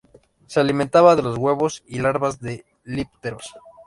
Se alimentan de los huevos y larvas de dípteros.